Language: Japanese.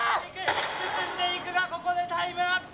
進んでいくがここでタイムアップ